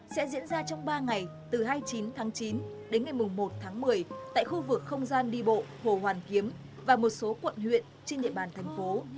sẽ diễn ra trong ba ngày từ hai mươi chín tháng chín đến ngày một tháng một mươi tại khu vực không gian đi bộ hồ hoàn kiếm và một số quận huyện trên địa bàn thành phố